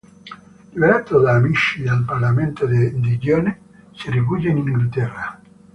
Liberato da amici del Parlamento di Digione, si rifugia in Inghilterra.